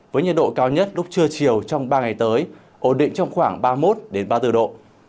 với nhiệt độ cao nhất lúc trưa chiều trong ba ngày tới ổn định trong khoảng ba mươi một ba mươi bốn độ